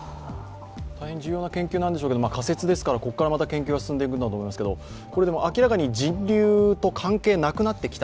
大変重要な研究なんでしょうけど、仮説ですからここからまた研究が進んでいくんだと思いますけれども、あくまで人流と関係なくなってきた。